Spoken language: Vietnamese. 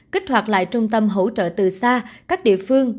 kích hoạt lại trung tâm hỗ trợ từ xa các địa phương